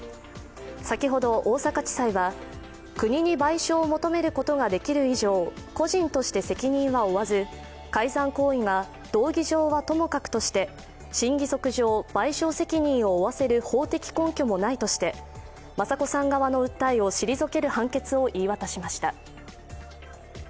先ほど大阪地裁は、国に賠償を求めることができる以上、個人として責任は負わず、改ざん行為が道義上はともかくとして信義則上、賠償責任を負わせる法的根拠もないとして雅子さん側の訴えを退ける判決を言い渡しました。